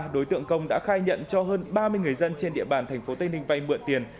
đối tượng công đã khai nhận cho hơn ba mươi người dân trên địa bàn tp tây ninh vay mượn tiền